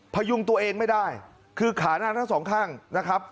พยุงตัวเองไม่ได้คือขาหน้าทั้งสองข้างนะครับ